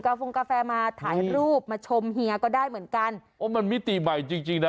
ฟงกาแฟมาถ่ายรูปมาชมเฮียก็ได้เหมือนกันโอ้มันมิติใหม่จริงจริงนะ